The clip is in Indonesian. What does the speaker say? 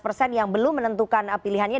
mereka menentukan pilihannya